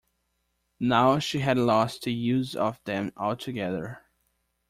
Now she had lost the use of them altogether.